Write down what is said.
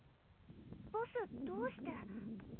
ボスどうして？